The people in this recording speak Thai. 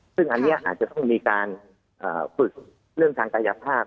ซึ่งอันนี้อาจจะต้องมีการฝึกเรื่องทางกายภาพ